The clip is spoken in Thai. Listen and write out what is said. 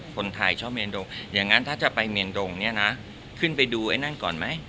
คนไทยชอบเมนดงอย่างนั้นถ้าจะไปเมียนดงเนี่ยนะขึ้นไปดูไอ้นั่นก่อนไหม